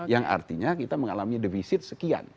yang artinya kita mengalami defisit sekian